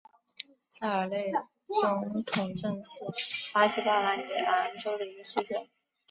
萨尔内总统镇是巴西马拉尼昂州的一个市镇。